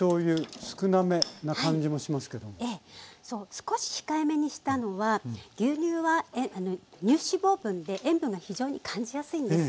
少し控えめにしたのは牛乳は乳脂肪分で塩分が非常に感じやすいんです。